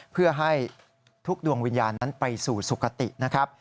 เพื่อให้ทุกดวงวิญญาณนั้นไปสู่สุขตินะครับ